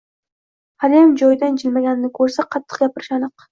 Haliyam joyidan jilmaganini koʻrsa, qattiqroq gapirishi aniq.